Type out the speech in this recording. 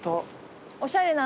おしゃれな感じ。